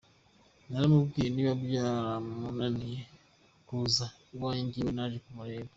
Naramubwiye, niba byaramunaniye kuza iwanjye, njyewe naje kumureba.